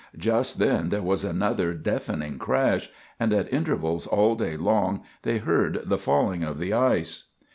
Just then there was another deafening crash, and at intervals all day long they heard the falling of the ice.